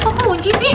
kok kekunci sih